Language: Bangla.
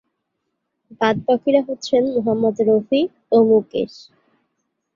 বাদ-বাকীরা হচ্ছেন মোহাম্মদ রফি ও মুকেশ।